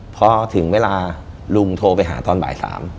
พอถึงเวลาลุงโทรไปหาตอนบ่าย๓